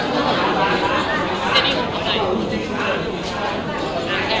ที่เจนนี่ของกล้องนี้นะคะ